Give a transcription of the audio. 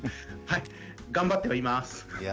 頑張ってはいます。